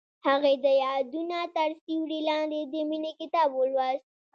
هغې د یادونه تر سیوري لاندې د مینې کتاب ولوست.